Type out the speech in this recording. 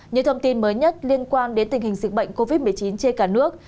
những thông tin mới nhất liên quan đến tình hình dịch bệnh covid một mươi chín trên cả nước